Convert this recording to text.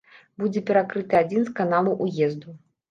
Будзе перакрыты адзін з каналаў уезду.